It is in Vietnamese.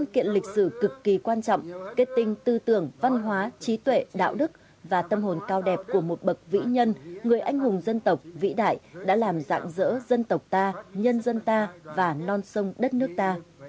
kết tinh tư tưởng văn hóa trí tuệ đạo đức và tâm hồn cao đẹp của một bậc vĩ nhân người anh hùng dân tộc vĩ đại đã làm dạng dỡ dân tộc ta nhân dân ta và non sông đất nước ta